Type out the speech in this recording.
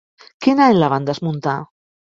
Quin any la van desmuntar?